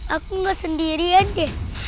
aku ga sendirian deh